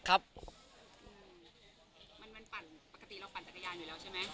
มันปั่นปกติเราปั่นจักรยานอยู่แล้วใช่ไหม